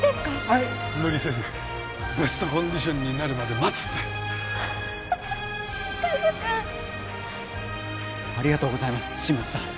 はい無理せずベストコンディションになるまで待つってカズ君ありがとうございます新町さん